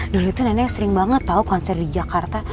dulu tuh nenek sering banget tau konser di jakarta